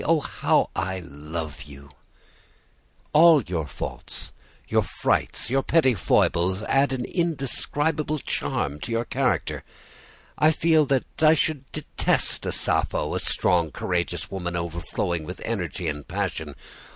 Oh, how I love you!' he continued. 'All your faults, your frights, your petty foibles, add an indescribable charm to your character. I feel that I should detest a Sappho, a strong, courageous woman, overflowing with energy and passion.